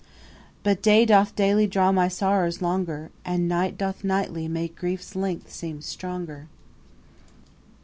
But day doth daily draw my sorrows longer, And night doth nightly make grief's length seem stronger.